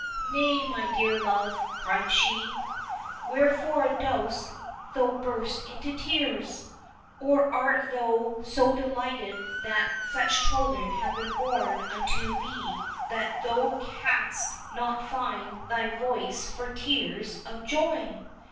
" Nay, my dear love," cried she, '' wherefore dost thou burst into tears ? Or art thou so deHghted that such children have been born unto thee that thou canst not find thy voice for tears of joy